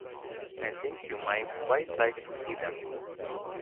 I think you might quite like to see them.